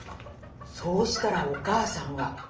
そうしたらおかあさんは。